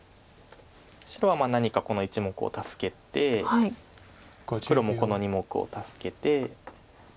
白は何かこの１目を助けて黒もこの２目を助けて。